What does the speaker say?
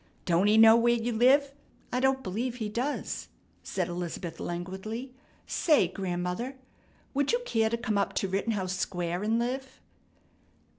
Don't he know where you live?" "I don't believe he does," said Elizabeth languidly. "Say, grandmother, would you care to come up to Rittenhouse Square and live?"